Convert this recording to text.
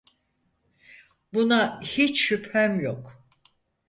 Buna hiç şüphem yok.